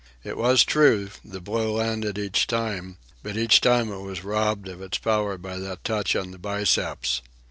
It was true, the blow landed each time; but each time it was robbed of its power by that touch on the biceps.